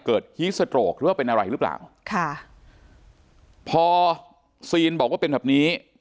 ฮีสโตรกหรือว่าเป็นอะไรหรือเปล่าค่ะพอซีนบอกว่าเป็นแบบนี้